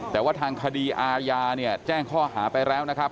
แต่ว่าทางคดีอาญาเนี่ยแจ้งข้อหาไปแล้วนะครับ